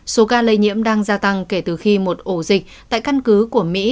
số ca lây nhiễm đang gia tăng kể từ khi một ổ dịch tại căn cứ của mỹ